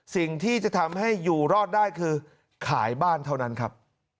สิ่งที่จะทำให้อยู่รอดได้คือขายบ้านเท่านั้นครับ